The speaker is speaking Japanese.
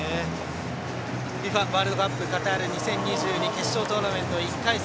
ＦＩＦＡワールドカップカタール２０２２決勝トーナメント１回戦